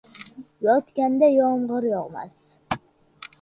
Yotganga yomg'ir yog'mas.